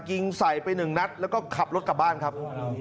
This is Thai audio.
ยิงใส่ไปหนึ่งนัดแล้วก็ขับรถกลับบ้านครับ